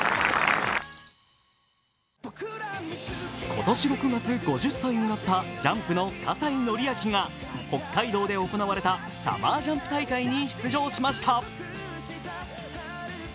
今年６月、５０歳になったジャンプの葛西紀明が北海道で行われたサマージャンプ大会に出場しました。